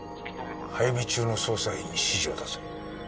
配備中の捜査員に指示を出せ。